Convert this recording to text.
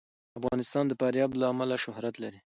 افغانستان د فاریاب له امله شهرت لري.